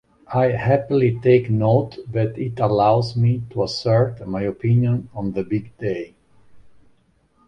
I happily take note that it allows me to assert my opinion on the big day.